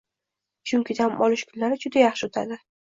chunki dam olish kunlari juda yaxshi oʻtadi.